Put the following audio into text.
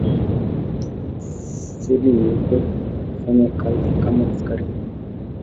Seli nyeupe hufanya kama askari wa mwili.